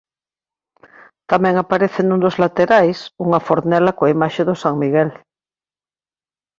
Tamén aparece nun dos laterais unha fornela coa imaxe do San Miguel.